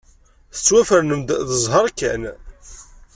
Tettwafernem-d d zzheṛ kan.